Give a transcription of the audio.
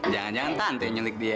jangan jangan tante yang nyulik dia